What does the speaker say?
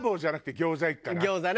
餃子ね。